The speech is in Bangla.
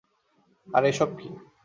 আর এসব কী?